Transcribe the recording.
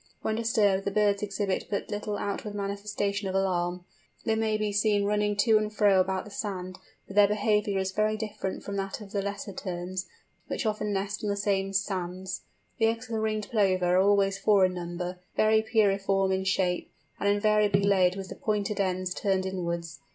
When disturbed, the birds exhibit but little outward manifestation of alarm. They may be seen running to and fro about the sand, but their behaviour is very different from that of the Lesser Terns, which often nest on the same sands. The eggs of the Ringed Plover are always four in number, very pyriform in shape, and invariably laid with the pointed ends turned inwards.